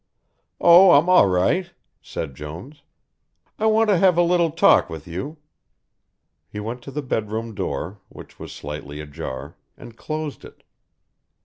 "Oh, I'm all right," said Jones. "I want to have a little talk with you." He went to the bed room door, which was slightly ajar, and closed it.